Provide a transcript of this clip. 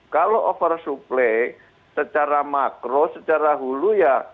kalau oversupply secara makro secara hulu ya